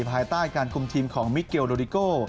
ภายใต้การคุมทีมของมิเกลโลดิโก